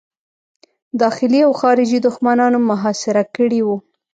داخلي او خارجي دښمنانو محاصره کړی وو.